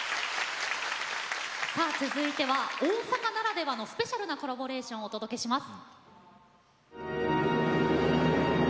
続いては、大阪ならではのスペシャルなコラボレーションです。